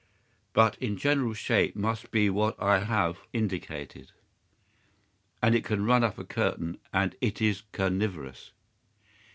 But its general shape must be what I have indicated, and it can run up a curtain, and it is carnivorous."